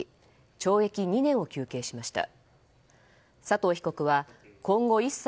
懲役２年を求刑しました。